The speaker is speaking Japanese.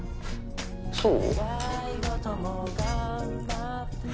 そう？